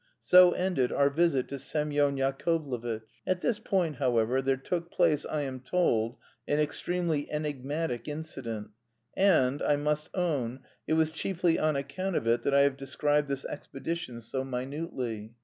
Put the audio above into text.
So ended our visit to Semyon Yakovlevitch. At this point, however, there took place, I am told, an extremely enigmatic incident, and, I must own, it was chiefly on account of it that I have described this expedition so minutely.